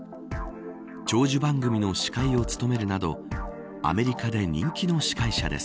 長寿番組の司会を務めるなどアメリカで人気の司会者です。